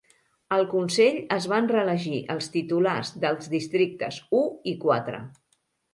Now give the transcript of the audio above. Al Consell es van reelegir els titulars dels districtes u i quatre.